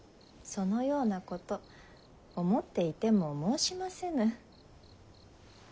そのようなこと思っていても申しませぬ。